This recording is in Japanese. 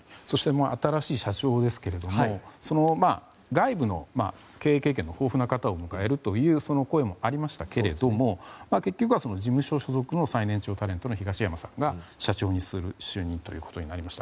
新しい社長ですが外部の経営経験を豊富な方を迎え入れるという話もありましたが結局は事務所所属の最年長タレントの東山さんが社長に就任となりました。